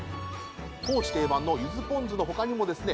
高知定番のゆずポン酢の他にもですね